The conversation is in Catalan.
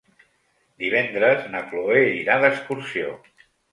Divendres na Cloè irà d'excursió.